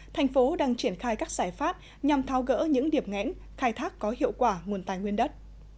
thành phố đang triển khai các giải pháp nhằm thao gỡ những điểm ngẽn khai thác có hiệu quả nguồn tài nguyên đất